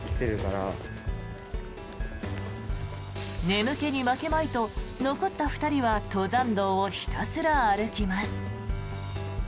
眠気に負けまいと残った２人は登山道をひたすら歩きます。